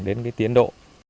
đến tiến độ